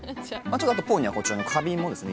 あとポーにはこちらの花瓶もですね